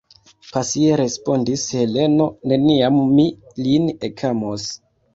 pasie respondis Heleno: neniam mi lin ekamos.